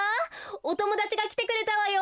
おともだちがきてくれたわよ！